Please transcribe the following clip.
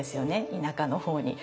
田舎の方に。